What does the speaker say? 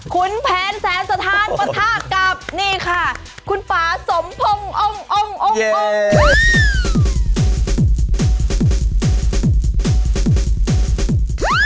คุณแผนแสนสถานปะทะกับนี่ค่ะคุณป่าสมพงศ์องค์องค์